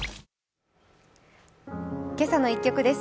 「けさの１曲」です。